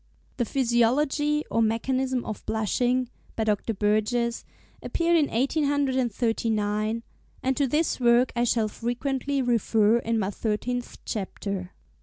'The Physiology or Mechanism of Blushing,' by Dr. Burgess, appeared in 1839, and to this work I shall frequently refer in my thirteenth Chapter.